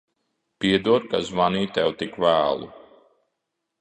Piedod, ka zvanīju tev tik vēlu.